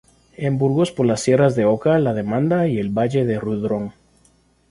En Burgos por las sierras de Oca, la Demanda y el Valle del Rudrón.